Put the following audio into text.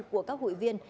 của các hụi viên